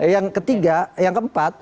yang ketiga yang keempat